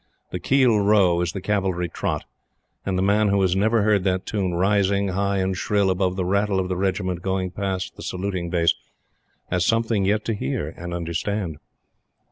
The "Keel Row" is the Cavalry Trot; and the man who has never heard that tune rising, high and shrill, above the rattle of the Regiment going past the saluting base, has something yet to hear and understand.